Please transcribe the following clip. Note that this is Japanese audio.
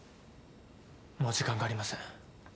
もう時間がありません。